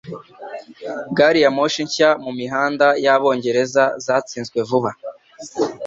gari ya moshi nshya mumihanda yabongereza zatsinzwe vuba